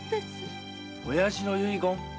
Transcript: おやじの遺言？